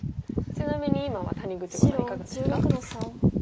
ちなみに今は谷口五段いかがですか？